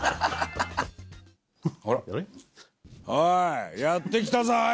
おいやって来たぞおい